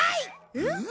えっ？